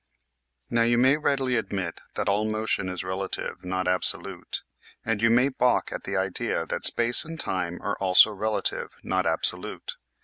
Now you may readily admit that all motion is rela tive, not absolute, and yet you may balk at the idea that space and time are also relative, not absolute.